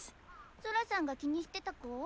ソラさんが気にしてた子？